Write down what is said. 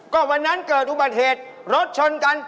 ก็วันนั้นเกิดอุบัติเหตุรถชนกัน